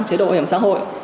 chế độ bảo hiểm xã hội